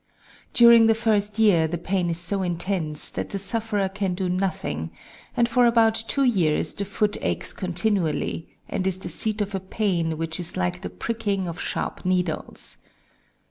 During the first year the pain is so intense that the sufferer can do nothing, and for about two years the foot aches continually, and is the seat of a pain which is like the pricking of sharp needles.